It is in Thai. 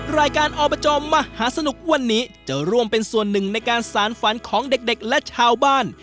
รายการอบจมหาสนุกวันนี้จะร่วมเป็นส่วนหนึ่งในการสารฝันของเด็กและชาวบ้าน